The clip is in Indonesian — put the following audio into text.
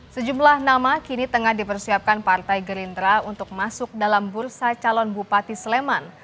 sejumlah nama kini tengah dipersiapkan partai gerindra untuk masuk dalam bursa calon bupati sleman